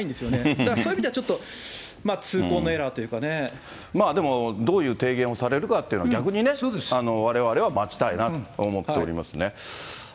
だからそういう意味ではちょっと、でもどういう提言をされるかというのは、逆にね、われわれは待ちたいなと思っておりますね。